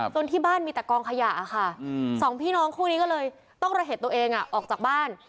ที่บ้านมีแต่กองขยะค่ะสองพี่น้องคู่นี้ก็เลยต้องระเหตุตัวเองออกจากบ้าน